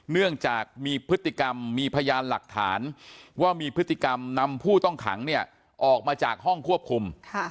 เนื่องจากมีพฤติกรรมมีพยานหลักฐานว่ามีพฤติกรรมนำผู้ต้องขังออกมาจากห้องควบคุม